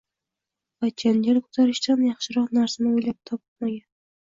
Va janjal ko‘tarishdan yaxshiroq narsani o‘ylab topa olmagan.